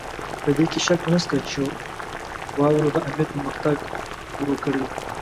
په دې کې شک نشته چې واورو د امیر پرمختګ هم ورو کړی وو.